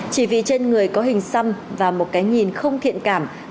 chỉ vì trên người có hình xăm và một cái nhìn không thiện cảm